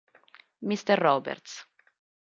Mister Roberts